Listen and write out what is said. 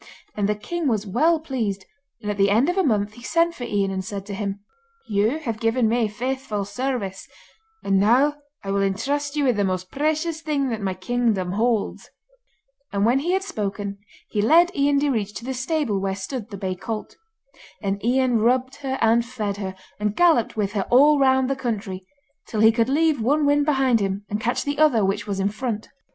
And the king was well pleased, and at the end of a month he sent for Ian and said to him: 'You have given me faithful service, and now I will entrust you with the most precious thing that my kingdom holds.' And when he had spoken, he led Ian Direach to the stable where stood the bay colt. And Ian rubbed her and fed her, and galloped with her all round the country, till he could leave one wind behind him and catch the other which was in front.